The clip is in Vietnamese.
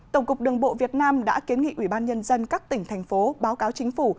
tổng cục đường bộ việt nam đã kiến nghị ủy ban nhân dân các tỉnh thành phố báo cáo chính phủ